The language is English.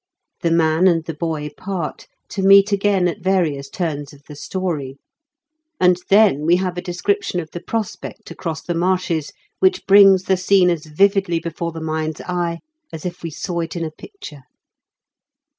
The mai» and the boy part, to meet again at various turns of the story ; and then we have a description of the prospect across the marshes which brings the scene as vividly before the mind's eye as if we saw it in a picture.